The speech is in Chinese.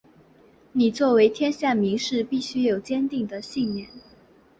你作为天下名士必须有坚定的信念！